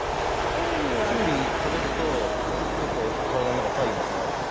キュウリ食べると結構体の中体温下がるって。